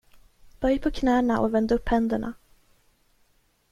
Böj på knäna och vänd upp händerna.